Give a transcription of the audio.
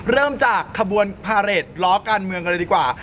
เริ่มจากขบวนพาเรทล้อการเมืองกันเลยดีกว่า